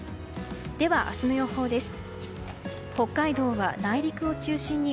では明日の予報です。